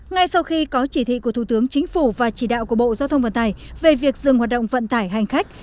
ngay sau khi có chỉ thị của thủ tướng chính phủ và chỉ đạo của bộ giao thông vận tải về việc dừng hoạt động vận tải hành khách